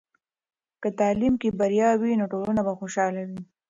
که تعلیم کې بریا وي، نو ټولنه به خوشحاله وي.